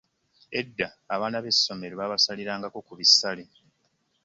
Edda abaana b'essomero babasalirangako kubisale.